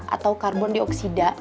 atau karbon dioksida